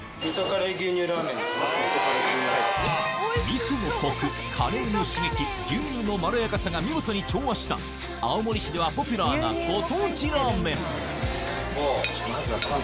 みそのコクカレーの刺激牛乳のまろやかさが見事に調和した青森市ではポピュラーなご当地ラーメン